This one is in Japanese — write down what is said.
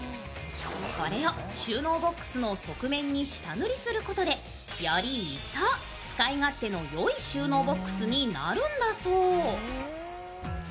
これを収納ボックスの側面に下塗りすることでより一層使い勝手のいい収納ボックスになるんだそう。